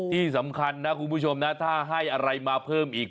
ที่สำคัญนะคุณผู้ชมนะถ้าให้อะไรมาเพิ่มอีก